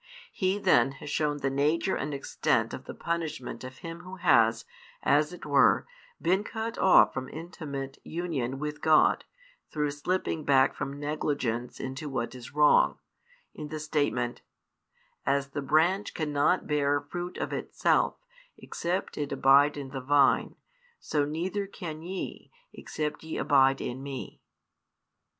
He then has shown the nature and extent of the punishment of him who has, as it were, been cut off from intimate union with God, through slipping back from negligence into what is wrong, in the statement, As the branch cannot bear fruit of itself, except it abide in the vine, so neither |386 can ye, except ye abide in Me.